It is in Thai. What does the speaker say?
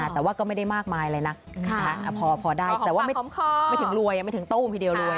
แต่ว่าก็ไม่ได้มากมายอะไรนักพอได้แต่ว่าไม่ถึงรวยยังไม่ถึงตู้มทีเดียวรวย